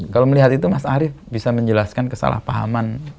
kalau melihat itu mas arief bisa menjelaskan kesalahpahaman